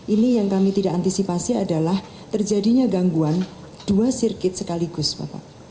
ini yang kami tidak antisipasi adalah terjadinya gangguan dua sirkuit sekaligus bapak